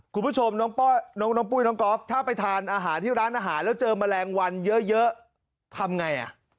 คุณผู้ชมน้องปุ้ยน้องก๊อฟถ้าไปทานอาหารที่ร้านอาหารแล้วเจอแมลงวันเยอะทำไงอ่ะ